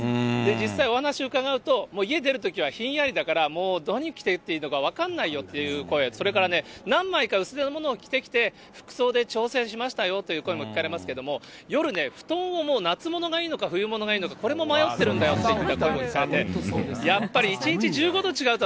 実際、お話を伺うと、家出るときはひんやりだから、もうどれ着ていっていいのか分からないよという声、それからね、何枚か薄手のものを着てきて、服装で調整しましたよという声も聞かれますけれども、夜ね、布団をもう、夏物がいいのか、冬物がいいのか、これも迷ってるんだよという方もいっぱいいて、やっぱり１日１５